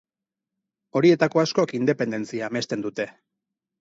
Horietako askok independentzia amesten dute.